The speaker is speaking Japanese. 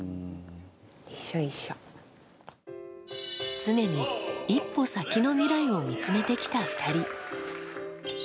常に一歩先の未来を見つめてきた２人。